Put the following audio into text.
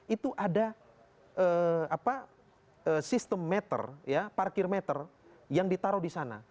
itu ada sistem meter parkir meter yang ditaruh di sana